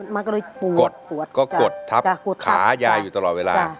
มันก็เลยปวดกดปวดก็กดทับจากปวดขายายอยู่ตลอดเวลา